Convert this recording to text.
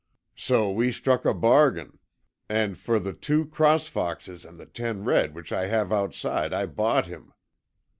So we struck a bargain, and for the two cross foxes and the ten red which I have outside I bought him."